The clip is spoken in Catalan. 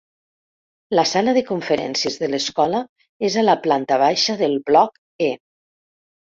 La sala de conferències de l'escola és a la planta baixa del bloc E.